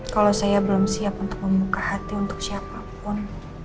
kalau saya belum siap untuk membuka hati untuk siapapun